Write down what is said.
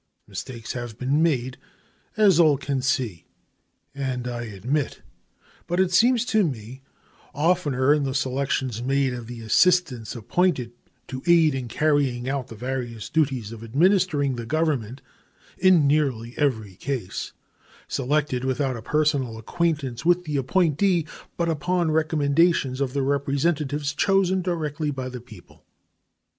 Mistakes have been made, as all can see and I admit, but it seems to me oftener in the selections made of the assistants appointed to aid in carrying out the various duties of administering the Government in nearly every case selected without a personal acquaintance with the appointee, but upon recommendations of the representatives chosen directly by the people.